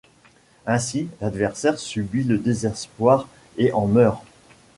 Ainsi, l'adversaire subit le désespoir et en meurt.